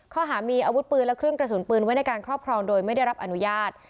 ข้อหามีอาวุธปืนและเครื่องกระสุนปืนไว้ในการครอบครองโดยไม่ได้รับอนุญาต